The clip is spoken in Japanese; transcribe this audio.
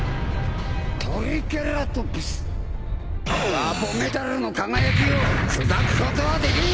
ワポメタルの輝きを砕くことはできん！